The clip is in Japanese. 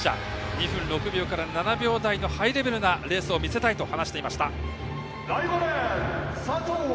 ２分６秒から７秒台のハイレベルなレースを見せたいと話していました。